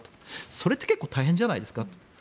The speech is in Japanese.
それって大変じゃないですかと。